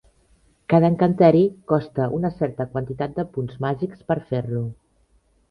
Cada encanteri costa una certa quantitat de punts màgics per fer-lo.